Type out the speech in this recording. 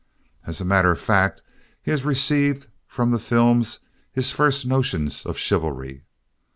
As a matter of fact, he has received from the films his first notions of chivalry.